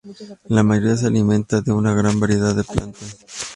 La mayoría se alimentan de una gran variedad de plantas.